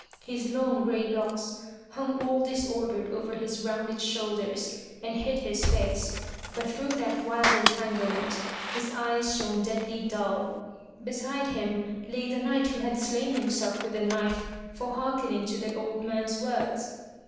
His long gray locks hung all disordered over his rounded shoulders and hid his face, but through that 39 MY BOOK HOUSE wild entanglement, his eyes shown deadly dull. Beside him lay the knight who had slain himself with a knife for hearkening to the old man's words.